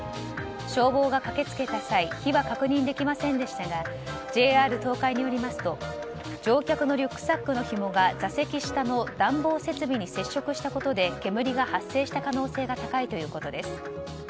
消防が駆けつけた際火は確認できませんでしたがＪＲ東海によりますと乗客のリュックサックのひもが座席下の暖房設備に接触したことで煙が発生した可能性が高いということです。